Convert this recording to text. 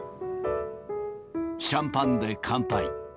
シャンパンで乾杯。